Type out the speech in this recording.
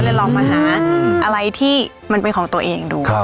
ลองมาหาอะไรที่มันเป็นของตัวเองดู